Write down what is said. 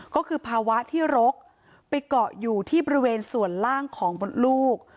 ก็คือภาวะที่รกไปเกาะอยู่ที่บริเวณส่วนล่างของมดลูก